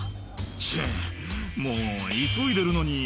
チェっもう急いでるのに」